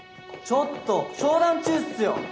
ちょっと商談中っすよ！